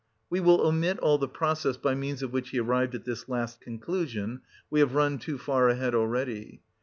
We will omit all the process by means of which he arrived at this last conclusion; we have run too far ahead already....